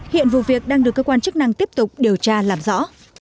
hiện vụ việc đang được cơ quan chức năng tiếp tục điều tra làm rõ